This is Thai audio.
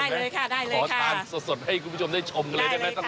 ได้เลยค่ะได้เลยค่ะขอทานสดให้คุณผู้ชมได้ชมเลยได้ไหมสักไม้หนึ่ง